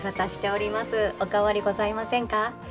お変わりございませんか？